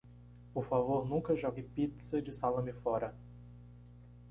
Por favor nunca jogue pizza de salame fora.